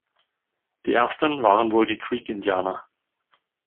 Die ersten waren wohl die Creek-Indianer.